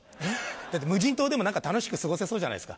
だって無人島でも何か楽しく過ごせそうじゃないですか。